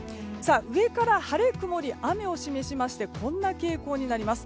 上から晴れ、曇り、雨を示しましてこんな傾向になります。